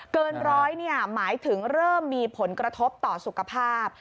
เกินร้อยหมายถึงเริ่มมีผลกระทบต่อสุขภาพ